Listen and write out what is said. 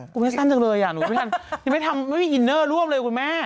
กูไม่สั้นจังเลยหนูไม่ทำไม่มีอินเนอร์ร่วมเลยคุณแม่